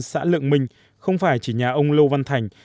xã lượng minh không phải chỉ nhà ông lô văn thành